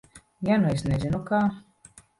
Ja nu es nezinu, kā?